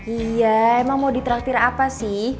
iya emang mau ditraktir apa sih